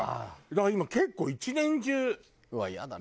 だから今結構一年中出る。